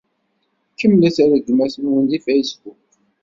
Kemmlet rregmat-nwen deg Facebook.